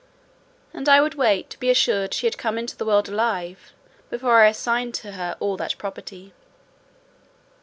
and I would wait to be assured she had come into the world alive before I assigned to her all that property.